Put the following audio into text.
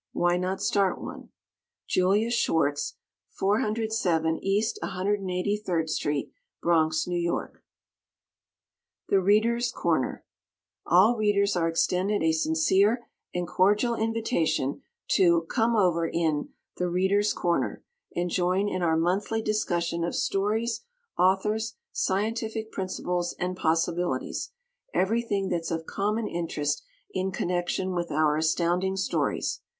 Why not start one? Julius Schwartz, 407 East 183rd St., Bronx, New York. "The Readers' Corner" All readers are extended a sincere and cordial invitation to "come over in 'The Readers' Corner'" and join in our monthly discussion of stories, authors, scientific principles and possibilities everything that's of common interest in connection with our Astounding Stories.